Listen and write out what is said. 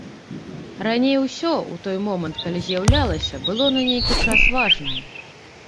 Раней усё, у той момант, калі з'яўлялася, было на нейкі час важнае.